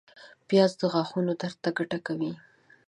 پیاز د غاښونو درد ته ګټه کوي